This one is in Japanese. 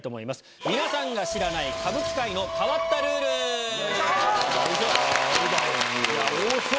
皆さんが知らない歌舞伎界の変わったルール！よいしょ！